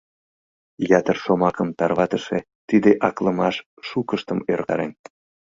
Ятыр шомакым тарватыше тиде аклымаш шукыштым ӧрыктарен.